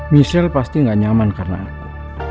michelle pasti gak nyaman karena aku